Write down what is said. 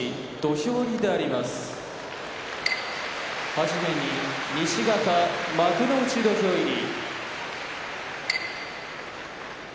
はじめに西方幕内土俵入り。